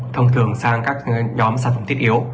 thông thường sang các nhóm sản phẩm tiết yếu